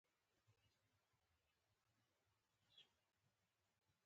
د خوښۍ ذرې، ذرې د لمر د ساه څه ټولومه